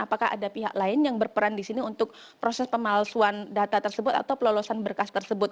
apakah ada pihak lain yang berperan di sini untuk proses pemalsuan data tersebut atau pelolosan berkas tersebut